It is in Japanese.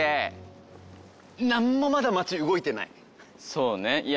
そうね！